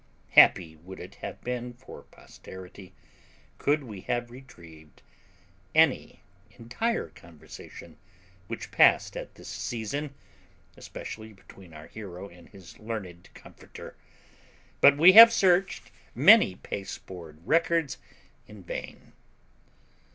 Happy would it have been for posterity, could we have retrieved any entire conversation which passed at this season, especially between our hero and his learned comforter; but we have searched many pasteboard records in vain.